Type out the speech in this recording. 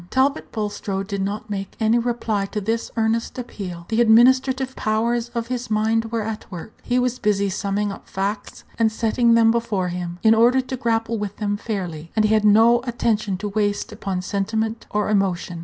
Talbot Bulstrode did not make any reply to this earnest appeal. The administrative powers of his mind were at work; he was busy summing up facts, and setting them before him, in order to grapple with them fairly, and he had no attention to waste upon sentiment or emotion.